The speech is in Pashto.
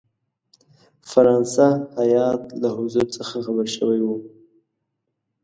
فرانسه هیات له حضور څخه خبر شوی وو.